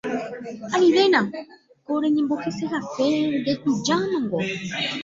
anivéna ko reñembosehace ndetujámango